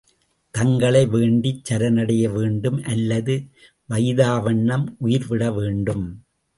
தங்களை வேண்டிச் சரணடைய வேண்டும் அல்லது வைதவண்ணம் உயிர்விட வேண்டும்.